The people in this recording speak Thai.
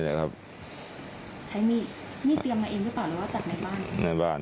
ได้แกทำแบบอัตเมีย